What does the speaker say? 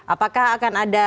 apakah akan ada harapan